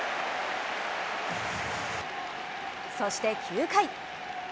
そして９回。